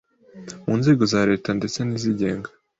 mu nzego za leta ndetse n’izigenga